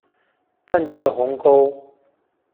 但這個鴻溝